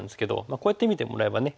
こうやって見てもらえばね